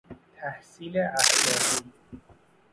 تحصیل اخلاقی